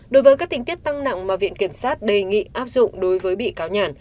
đối với các tình tiết tăng nặng mà viện kiểm sát đề nghị áp dụng đối với bị cáo nhàn